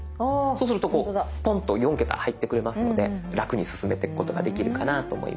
そうするとこうポンと４桁入ってくれますので楽に進めてくことができるかなと思います。